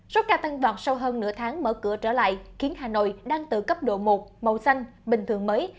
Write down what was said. số ca tăng vọt sau hơn nửa tháng mở cửa trở lại khiến hà nội đang tự cấp độ một màu xanh bình thường mới